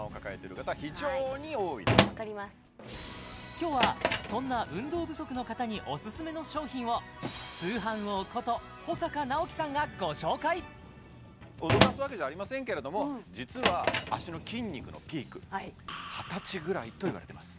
今日はそんな運動不足の方にオススメの商品を通販王こと保阪尚希さんがご紹介脅かすわけじゃありませんけれども実は脚の筋肉のピーク二十歳ぐらいといわれてます